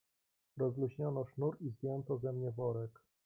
"Rozluźniono sznur i zdjęto ze mnie worek."